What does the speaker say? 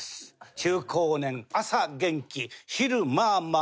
中高年朝元気昼まあまあ夜ぐったり。